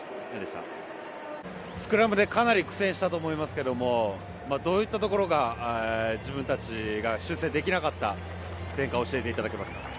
スクラムでかなり苦戦したと思いますがどういったところが自分たちが修正できなかった点か教えていただけますか。